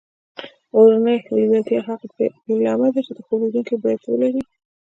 اورنۍ لېوالتیا هغه پیلامه ده چې خوب لیدونکي یې باید ولري